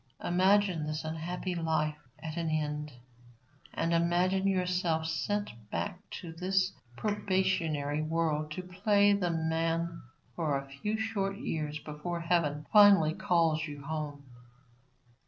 Imagine this unhappy life at an end, and imagine yourself sent back to this probationary world to play the man for a few short years before heaven finally calls you home.